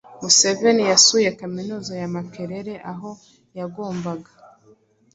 Museveni yasuye Kaminuza ya Makerere aho yagombaga